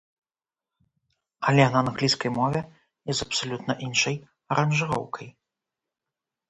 Але на англійскай мове і з абсалютна іншай аранжыроўкай!